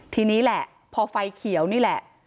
ทีนี้แหละพอไฟเขียวนี่แหละ